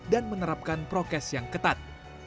dan menerapkan prokes yang ketat